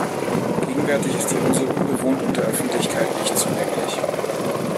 Gegenwärtig ist die Insel unbewohnt und der Öffentlichkeit nicht zugänglich.